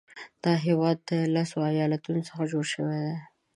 دا هیواد د لسو ایالاتونو څخه جوړ شوی دی.